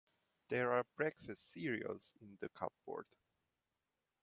There are breakfast cereals in the cupboard.